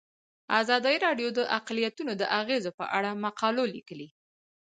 ازادي راډیو د اقلیتونه د اغیزو په اړه مقالو لیکلي.